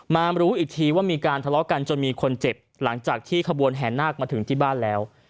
มารู้อีกทีว่ามีการทะเลาะกันจนมีคนเจ็บหลังจากที่ขบวนแห่นาคมาถึงที่บ้านแล้ว